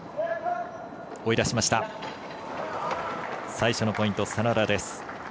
最初のポイント、眞田です。